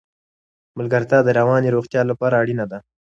ملګرتیا د رواني روغتیا لپاره اړینه ده.